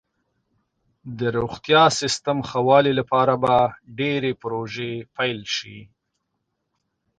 د روغتیا سیستم ښه والي لپاره به ډیرې پروژې پیل شي.